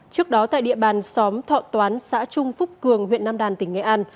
trước đó tại địa bàn xóm thọ toán xã trung phúc cường huyện nam đàn tỉnh nghệ an